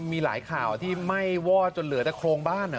มีหลายข่าวที่ไหม้วอดจนเหลือแต่โครงบ้าน